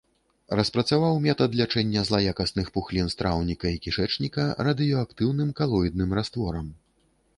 Распрацаваў метад лячэння злаякасных пухлін страўніка і кішэчніка радыеактыўным калоідным растворам.